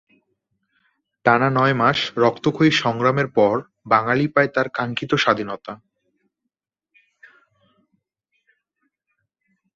টানা নয় মাস রক্তক্ষয়ী সংগ্রামের পর বাঙালি পায় তার কাঙ্খিত স্বাধীনতা।